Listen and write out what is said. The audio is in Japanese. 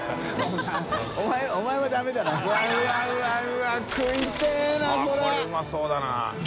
わっこれうまそうだな。